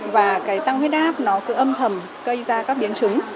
và cái tăng huyết áp nó cứ âm thầm gây ra các biến chứng